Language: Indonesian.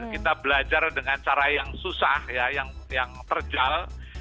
kita belajar dengan cara yang susah ya yang terjal